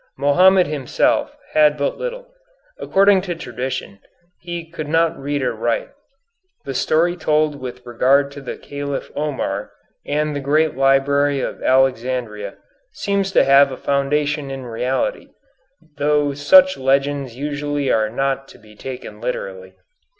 Mohammed himself had but little. According to tradition, he could not read or write. The story told with regard to the Caliph Omar and the great library of Alexandria, seems to have a foundation in reality, though such legends usually are not to be taken literally.